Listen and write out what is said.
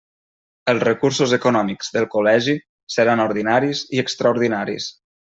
Els recursos econòmics del Col·legi seran ordinaris i extraordinaris.